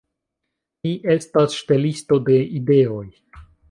Mi estas ŝtelisto de ideoj.